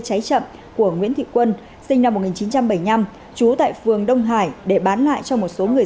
cháy chậm của nguyễn thị quân sinh năm một nghìn chín trăm bảy mươi năm trú tại phường đông hải để bán lại cho một số người